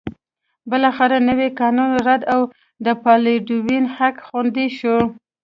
بالاخره نوی قانون رد او د بالډوین حق خوندي شو.